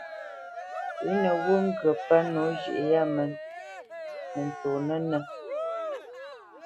Pʉ̌ wo ŋgyə̌ pə́ nǒ zhʉ̌ʼ yâ mə ntsonə́nə̄,